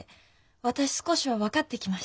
私少しは分かってきました。